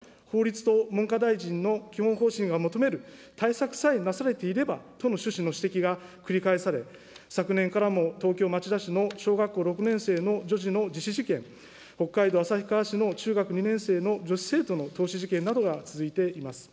しかし、これらの要の対策が学校現場に浸透せず、自死事件の調査報告書には、法律と文科大臣の基本方針が求める対策さえなされていればとの趣旨の指摘が繰り返され、昨年からも、東京・町田市の小学校６年生の女児の自死事件、北海道旭川市の中学２年生の女子生徒の凍死事件などが続いています。